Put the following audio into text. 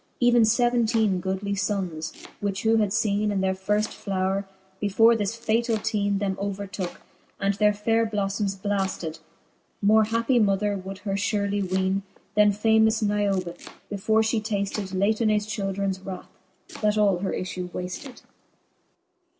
Even feventeene goodly ibnnes ; which who had feene In their firft flowre^ before this fatall teene Them overtooke, and their faire blolTomes blafted, More happie mother would her furely weene, Then famous Niobe, before Ihe tafted Latonaes childrens wrath, that all her iflue wafted.